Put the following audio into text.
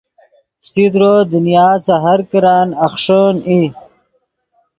فسیدرو دنیا سے ہر کرن اخݰین ای